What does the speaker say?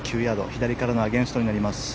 左からのアゲンストになります。